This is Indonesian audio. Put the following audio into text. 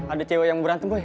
ada cewek yang berantem pak